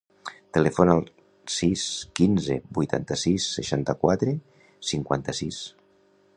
Telefona al sis, quinze, vuitanta-sis, seixanta-quatre, cinquanta-sis.